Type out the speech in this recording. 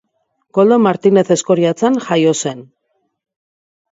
Koldo Martinez Eskoriatzan jaio zen.